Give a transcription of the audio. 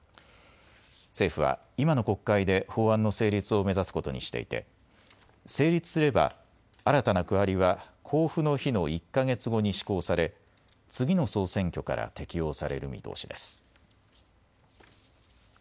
政府は今の国会で法案の成立を目指すことにしていて成立すれば新たな区割りは公布の日の１か月後に施行され次の総選挙から適用される見通しです。